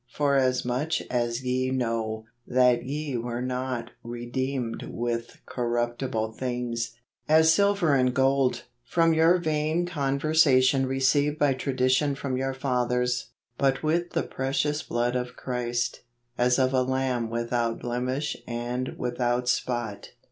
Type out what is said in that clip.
" For as much as ye know that ye were not re¬ deemed with corruptible things, as silver and gold , from your vain conversation received by tradition from your fathers; But with the precious blood of Christ , as of a lamb without blemish and without spot.'"